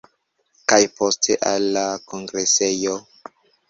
Kaj poste al la kongresejo.